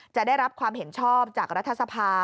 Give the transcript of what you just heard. จะได้รับความเห็นชอบจากรัฐสภา